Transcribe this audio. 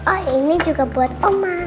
oh ini juga buat oman